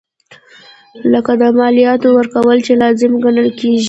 لکه د مالیاتو ورکول چې لازم ګڼل کیږي.